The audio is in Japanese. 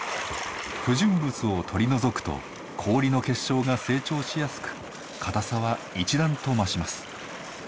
不純物を取り除くと氷の結晶が成長しやすく硬さは一段と増します。